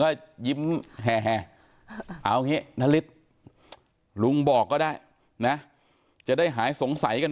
ก็ยิ้มแห่เอาอย่างนี้นาริสลุงบอกก็ได้นะจะได้หายสงสัยกัน